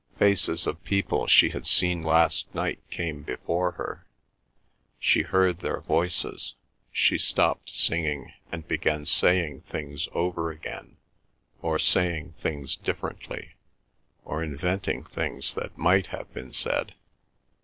Faces of people she had seen last night came before her; she heard their voices; she stopped singing, and began saying things over again or saying things differently, or inventing things that might have been said.